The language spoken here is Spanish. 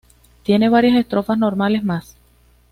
Tiene varias estrofas normales más.